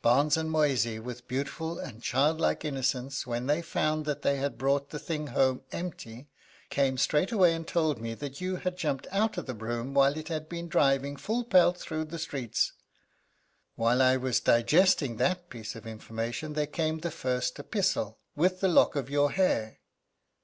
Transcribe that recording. "Barnes and Moysey, with beautiful and childlike innocence, when they found that they had brought the thing home empty, came straightway and told me that you had jumped out of the brougham while it had been driving full pelt through the streets. While I was digesting that piece of information there came the first epistle, with the lock of your hair.